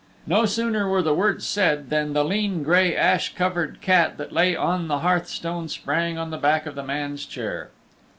'" No sooner were the words said than the lean, gray, ash covered cat that lay on the hearthstone sprang on the back of the man's chair.